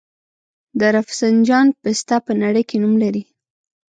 د رفسنجان پسته په نړۍ کې نوم لري.